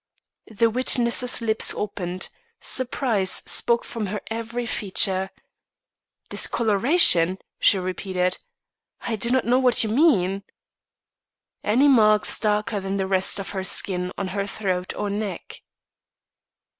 The witness's lips opened; surprise spoke from her every feature. "Discoloration?" she repeated. "I do not know what you mean." "Any marks darker than the rest of her skin on her throat or neck?"